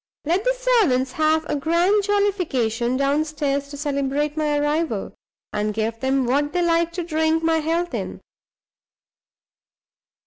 Let the servants have a grand jollification downstairs to celebrate my arrival, and give them what they like to drink my health in.